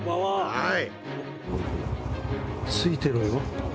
はい。